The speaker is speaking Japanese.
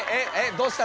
どうした？